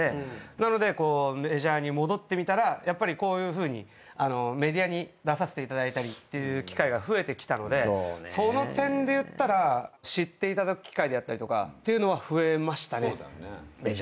なのでメジャーに戻ってみたらやっぱりこういうふうにメディアに出させていただいたりっていう機会が増えてきたのでその点でいったら知っていただく機会であったりとかっていうのは増えましたね。